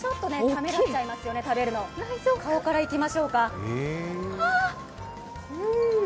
ためらっちゃいますよね、顔からいきましょうか。